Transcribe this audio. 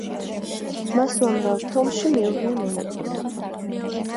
მას უამრავ ფილმში მიუღია მონაწილეობა.